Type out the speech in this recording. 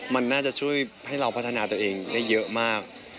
มันน่าจะช่วยให้เราพัฒนาตัวเองได้เยอะมาก